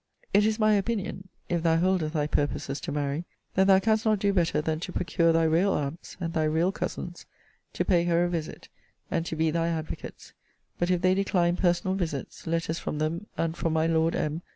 It is my opinion, (if thou holdest thy purposes to marry,) that thou canst not do better than to procure thy real aunts, and thy real cousins, to pay her a visit, and to be thy advocates. But if they decline personal visits, letters from them, and from my Lord M.